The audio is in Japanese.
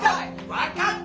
分かった！